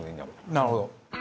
なるほど。